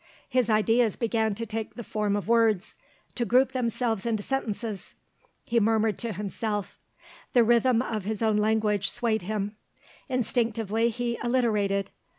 His ideas began to take the form of words, to group themselves into sentences; he murmured to himself; the rhythm of his own language swayed him; instinctively he alliterated.